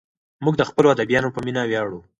موږ د خپلو ادیبانو په مینه ویاړو.